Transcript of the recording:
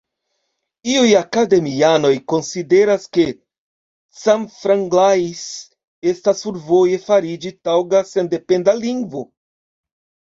Iuj akademianoj konsideras ke "Camfranglais" estas survoje fariĝi taŭga sendependa lingvo.